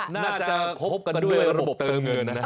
น่าจะคบกันด้วยระบบเติมเงินนะครับ